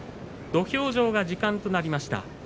土俵上は時間となりました。